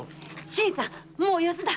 新さんもう四ツだ！